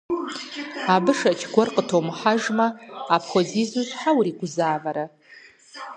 Абы шэч гуэр къытумыхьэжмэ, апхуэдизу щхьэ уригузавэрэ?